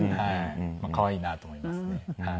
可愛いなと思いますねはい。